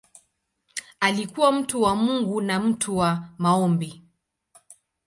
Alikuwa mtu wa Mungu na mtu wa maombi.